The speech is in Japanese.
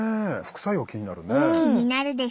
副作用気になるね。